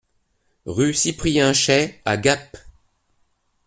Rue Cyprien Chaix à Gap